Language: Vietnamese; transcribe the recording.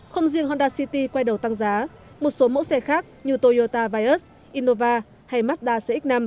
không riêng honda city quay đầu tăng giá một số mẫu xe khác như toyota vios innova hay mazda cx năm